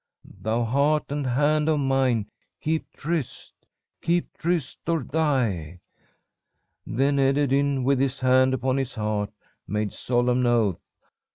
Thou heart and hand of mine, keep tryst Keep tryst or die!' "Then Ederyn, with his hand upon his heart, made solemn oath.